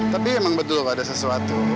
tapi emang betul ada sesuatu